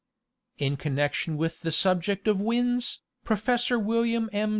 In connection with the subject of winds, Professor William M.